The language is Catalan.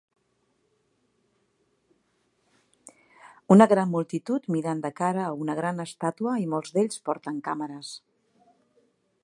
Una gran multitud mirant de cara a una gran estàtua i molts d'ells porten càmeres